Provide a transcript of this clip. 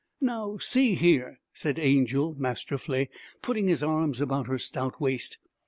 'Now, see here,' said Angel masterfully, putting his arms about her stout waist.